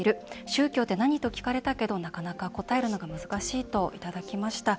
宗教って何？と聞かれたけどなかなか答えるのが難しい」といただきました。